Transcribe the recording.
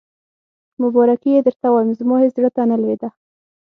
مبارکي یې درته وایم، زما هېڅ زړه ته نه لوېده.